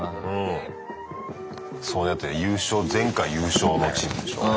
そうだって優勝前回優勝のチームでしょう？